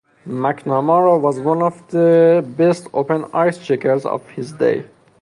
McNamara was one of the best open ice checkers of his day.